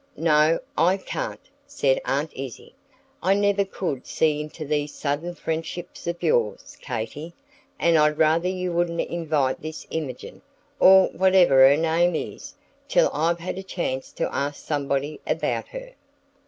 "No, I can't," said Aunt Izzie. "I never could see into these sudden friendships of yours, Katy, and I'd rather you wouldn't invite this Imogen, or whatever her name is, till I've had a chance to ask somebody about her."